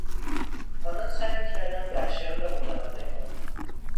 آنان سعی میکردند وحشیان را متمدن کنند.